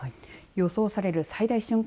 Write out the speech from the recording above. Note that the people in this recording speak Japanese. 予想される最大瞬間